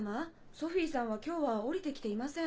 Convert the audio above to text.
ソフィーさんは今日は下りて来ていません。